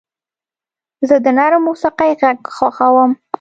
زه د نرم موسیقۍ غږ خوښوم.